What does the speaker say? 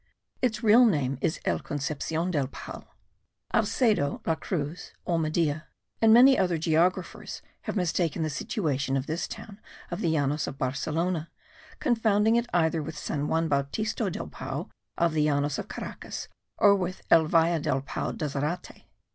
Its real name is El Concepcion del Pao. Alcedo, La Cruz, Olmedilla, and many other geographers, have mistaken the situation of this small town of the Llanos of Barcelona, confounding it either with San Juan Bauptisto del Pao of the Llanos of Caracas, or with El Valle del Pao de Zarate.